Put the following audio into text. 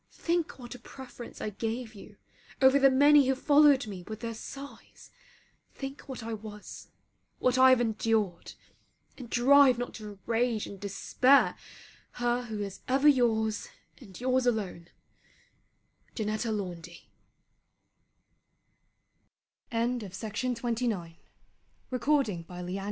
Think what a preference I gave you over the many who followed me with their sighs; think what I was; what I have endured; and drive not to rage and despair her who is ever your's and your's alone: JANETTA LAUNDY LETTER XIII FROM THE SAME TO THE SAME Last night I obe